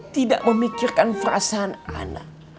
tidak memikirkan perasaan ana